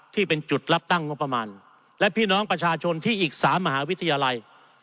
ที่เป็นจุดรับตั้งงบประมาณและพี่น้องประชาชนที่อีก๓มหาวิทยาลัย